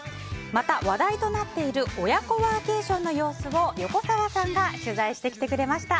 また、話題となっている親子ワーケーションの様子を横澤さんが取材してきてくれました。